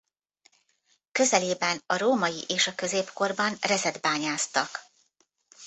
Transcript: Közelében a római és a középkorban rezet bányásztak.